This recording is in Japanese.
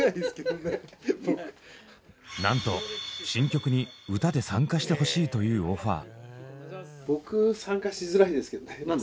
なんと「新曲に歌で参加してほしい」というオファー。